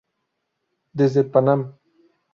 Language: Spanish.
Desde Panam.